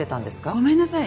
ごめんなさい。